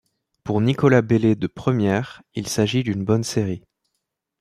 Pour Nicolas Bellet de Première, il s'agit d'une bonne série.